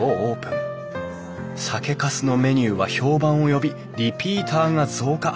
酒かすのメニューは評判を呼びリピーターが増加。